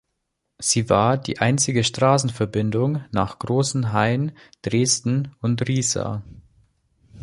Sie war die einzige Straßenverbindung nach Großenhain, Dresden und Riesa.